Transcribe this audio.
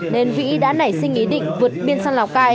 nên vĩ đã nảy sinh ý định vượt biên sang lào cai